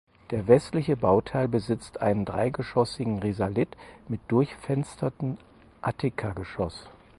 Der westliche Bauteil besitzt einen dreigeschossigen Risalit mit durchfensterten Attikageschoss.